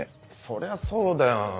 そりゃそうだよ。